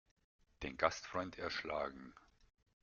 Den Gastfreund erschlagen.